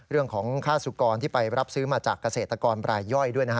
เรื่องของค่าสุกรที่ไปรับซื้อมาจากเกษตรกรรายย่อยด้วยนะฮะ